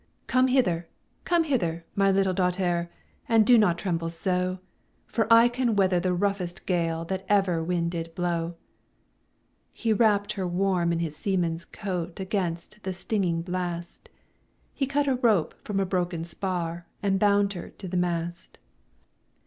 'Come hither! come hither! my little daughtèr. And do not tremble so; For I can weather the roughest gale That ever wind did blow.' He wrapp'd her warm in his seaman's coat Against the stinging blast; He cut a rope from a broken spar, And bound her to the mast.